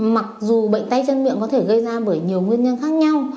mặc dù bệnh tay chân miệng có thể gây ra bởi nhiều nguyên nhân khác nhau